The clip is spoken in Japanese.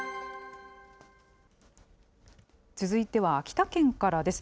続いては、秋田県からです。